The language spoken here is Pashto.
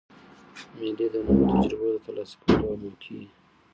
مېلې د نوو تجربو د ترلاسه کولو یوه موقع يي.